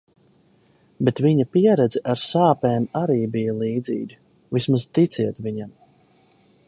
Bet viņa pieredze ar sāpēm arī bija līdzīga. Vismaz ticiet viņam.